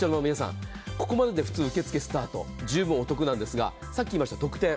ここまでで普通、受付スタート、十分お徳なんですが、さっき言いました特典。